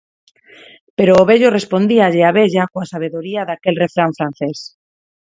Pero o vello respondíalle á vella coa sabedoría daquel refrán francés: